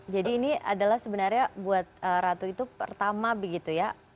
jadi ini adalah sebenarnya buat ratu itu pertama begitu ya